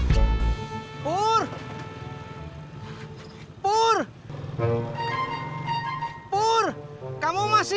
jangan lupa tanya pelen